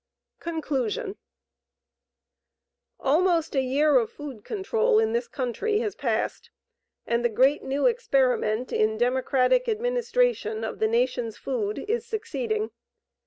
CONCLUSION Almost a year of food control in this country has passed and the great new experiment in democratic administration of the nation's food is succeeding.